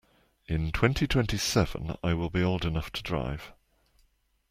In twenty-twenty-seven I will old enough to drive.